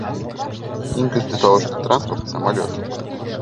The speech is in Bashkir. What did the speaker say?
Иң көслө тауышлы транспорт — самолет.